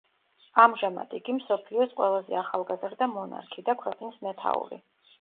ამჟამად იგი მსოფლიოს ყველაზე ახალგაზრდა მონარქი და ქვეყნის მეთაური.